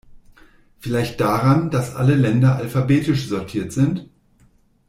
Vielleicht daran, dass alle Länder alphabetisch sortiert sind?